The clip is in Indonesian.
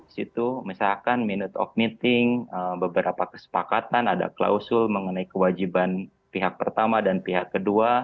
di situ misalkan minute of meeting beberapa kesepakatan ada klausul mengenai kewajiban pihak pertama dan pihak kedua